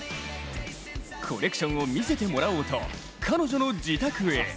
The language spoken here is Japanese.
コレクションを見せてもらおうと、彼女の自宅へ。